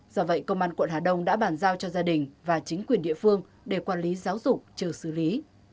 do vậy công an quận hà đông đã bàn giao cho gia đình và chính quyền địa phương để quản lý giáo dục chờ xử lý